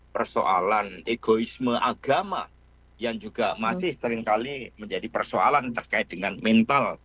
persoalan egoisme agama yang juga masih seringkali menjadi persoalan terkait dengan mental